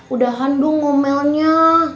udah handuk ngomelnya